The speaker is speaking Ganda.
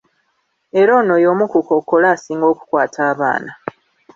Era ono y'omu ku kookolo asinga okukwata abaana.